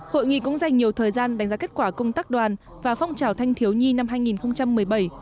hội nghị cũng dành nhiều thời gian đánh giá kết quả công tác đoàn và phong trào thanh thiếu nhi năm hai nghìn một mươi bảy